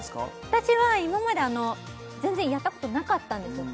私は今まで全然やったことなかったんですよ